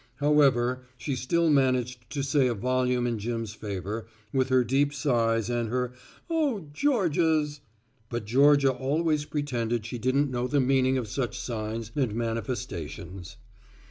However, she still managed to say a volume in Jim's favor with her deep sighs and her "Oh, Georgia's," but Georgia always pretended she didn't know the meaning of such signs and manifestations.